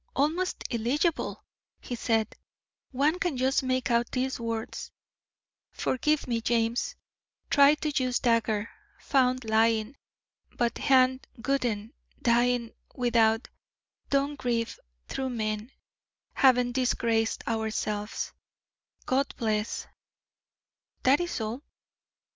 "Almost illegible," he said; "one can just make out these words: 'Forgive me, James tried to use dagger found lying but hand wouldn't dying without don't grieve true men haven't disgraced ourselves God bless ' That is all."